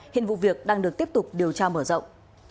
hiện vụ việc đang được tiếp tục điều tra mở rộng